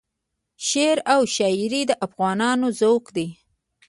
شعر او شایري د افغانانو ذوق دی.